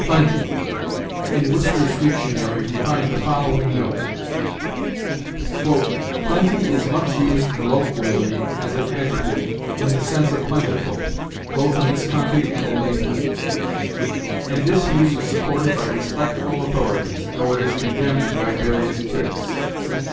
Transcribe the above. PLENTY. In Worcester's Dictionary we find the following note: "Plenty is much used colloquially as an adjective, in the sense of plentiful, both in this country and in England; and this use is supported by respectable authorities, though it is condemned by various critics.